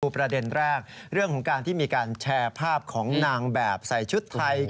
ประเด็นแรกเรื่องของการที่มีการแชร์ภาพของนางแบบใส่ชุดไทย